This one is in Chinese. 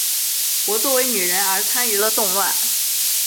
我作为女人而参与了动乱。